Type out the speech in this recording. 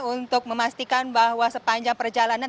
untuk memastikan bahwa sepanjang perjalanan